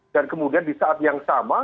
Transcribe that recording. dan kemudian di saat yang sama